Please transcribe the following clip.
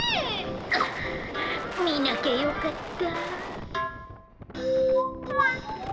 あみなきゃよかった。